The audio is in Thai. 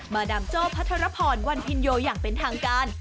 ดามโจ้พัทรพรวันพินโยอย่างเป็นทางการ